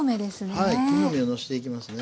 はい木の芽をのせていきますね。